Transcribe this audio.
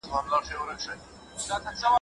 ستاسو صبر او ثبات هم ښې او مطلوبي نتيجې لري.